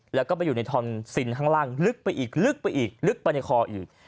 แล้วก็ไปอยู่ในทอนซินข้างล่างลึกไปอีกลึกไปอีกลึกไปในคออีก